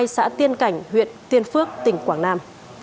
xã tiên cảnh huyện tiên phước tỉnh quảng nam